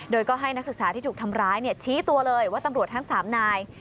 โดยก็ให้นักศึกษาที่ถูกทำร้ายชี้ตัวเลยว่าตำรวจทั้ง๓นาย